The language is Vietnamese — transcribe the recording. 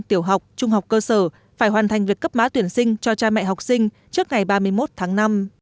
tiểu học trung học cơ sở phải hoàn thành việc cấp má tuyển sinh cho cha mẹ học sinh trước ngày ba mươi một tháng năm